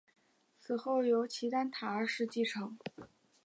死后由齐丹塔二世继承。